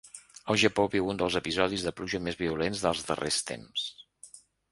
El Japó viu un dels episodis de pluja més violents dels darrers temps.